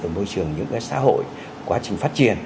môi trường những cái xã hội quá trình phát triển